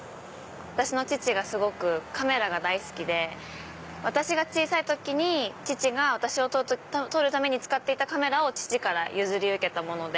私の父がすごくカメラが大好きで私が小さい時に父が私を撮るために使っていたカメラを父から譲り受けたもので。